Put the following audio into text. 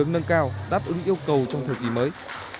nâng cao đáp ứng yêu cầu trong thời kỳ mới